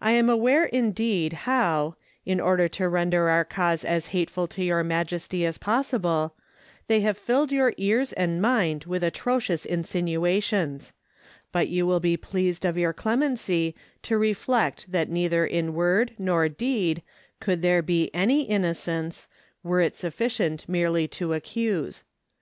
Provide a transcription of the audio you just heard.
I am aware indeed how, in order to render our cause as hateful to your Majesty as possible, they have filled your ears and mind with atrocious insinuations; but you will be pleased of your clemency to reflect that neither in word nor deed could there be any innocence, were it sufficient merely to accuse.